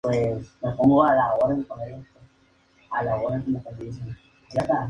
En contraste, todos los primates actuales han perdido al menos el primer premolar.